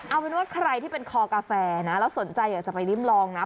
เอาเป็นว่าใครที่เป็นคอกาแฟนะแล้วสนใจอยากจะไปริมลองนะ